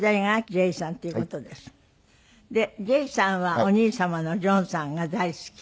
ジェイさんはお兄様のジョンさんが大好き。